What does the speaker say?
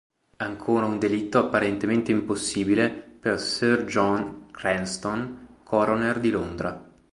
Ancora un delitto apparentemente impossibile per Sir John Cranston, coroner di Londra.